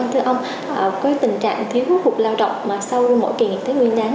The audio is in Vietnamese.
thưa ông với tình trạng thiếu hụt lao động mà sau mỗi kỳ nghỉ tết nguyên đáng